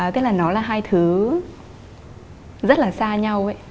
tức là nó là hai thứ rất là xa nhau